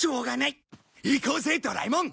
行こうぜドラえもん。